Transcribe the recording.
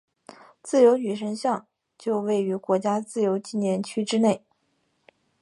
自由女神像就位于国家自由纪念区之内。